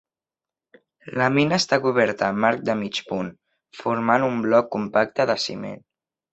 La mina està coberta amb arc de mig punt, formant un bloc compacte de ciment.